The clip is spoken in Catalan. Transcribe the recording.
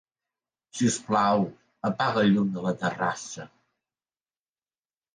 Sisplau, apaga el llum de la terrassa.